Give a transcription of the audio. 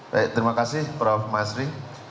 baik terima kasih prof masri